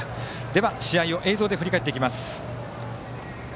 では、試合を映像で振り返っていきます。